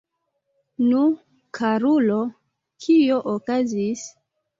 Nu, karulo, kio okazis?